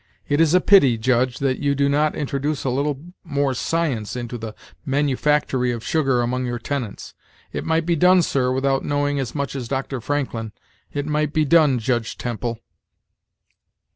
It is a pity, Judge, that you do not introduce a little more science into the manufactory of sugar among your tenants. It might be done, sir, without knowing as much as Dr. Franklin it might be done, Judge Temple."